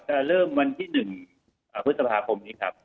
จะเริ่มวันที่๑พฤษภาคมนี้ครับ